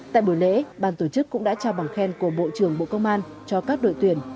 tại buổi lễ ban tổ chức cũng đã trao bằng khen của bộ trưởng bộ công an cho các đội tuyển